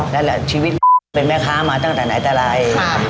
แล้วชีวิตเป็นแม่ค้ามาตั้งแต่ไหนตั้งไร